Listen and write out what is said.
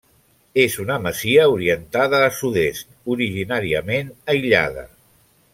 És una masia orientada a Sud-est, originàriament aïllada.